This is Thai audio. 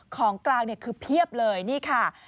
ของกลางคือเพียบเลยนี่ค่ะ